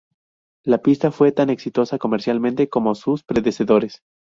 La pista fue tan exitosa comercialmente como sus predecesores.